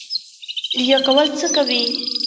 ریا کول څه کوي؟